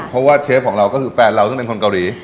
เพราะว่าเชฟของเราก็คือแฟนเราซึ่งเป็นคนเกาหลี